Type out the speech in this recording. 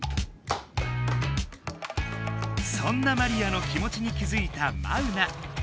そんなマリアの気もちに気づいたマウナ。